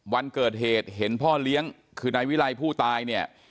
วันเกิดเหตุเห็นพ่อเลี้ยงคือนายวิรัยผู้ตายเนี่ย